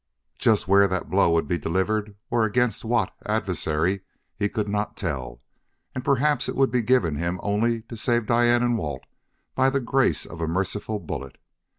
Just where that blow would be delivered or against what adversary he could not tell, and perhaps it would be given him only to save Diane and Walt by the grace of a merciful bullet.